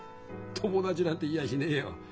友達なんていやしねえよ。